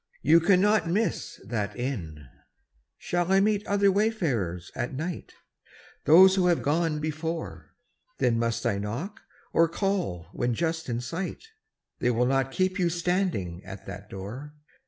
You cannot miss that inn. Shall I meet other wayfarers at night? Those who have gone before. Then must I knock, or call when just in sight? They will not keep you standing at that door.